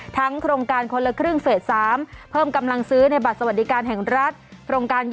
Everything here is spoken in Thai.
โครงการคนละครึ่งเฟส๓เพิ่มกำลังซื้อในบัตรสวัสดิการแห่งรัฐ